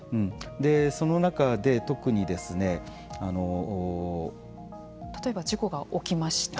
その中で特に例えば事故が起きました。